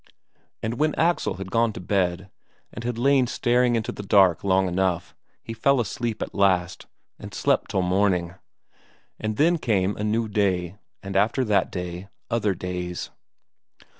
And when Axel had gone to bed, and had lain staring into the dark long enough, he fell asleep at last, and slept till morning. And then came a new day, and after that day other days....